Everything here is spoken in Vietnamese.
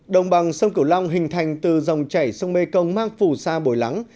đồng bằng sông cửu long hình thành từ dòng chảy sông mê công mang phù sa bồi lắng